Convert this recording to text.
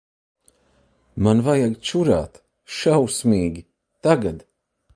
Man vajag čurāt. Šausmīgi. Tagad.